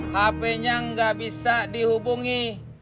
hape nya gak bisa dihubungi